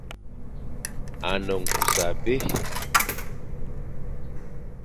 A ne nkus abé.